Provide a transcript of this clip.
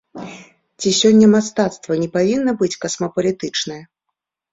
Ці сёння мастацтва не павінна быць касмапалітычнае?